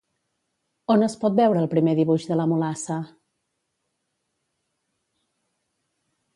On es pot veure el primer dibuix de la Mulassa?